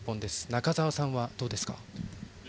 中澤さんはどうですか？